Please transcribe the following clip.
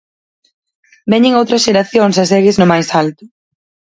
Veñen outras xeracións e segues no máis alto.